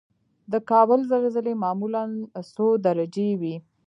د کابل زلزلې معمولا څو درجې وي؟